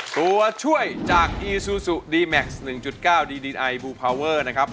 ตัวช่วยจากอีซูซูดีแม็กซ์๑๙ดีดีนไอบูพาวเวอร์นะครับ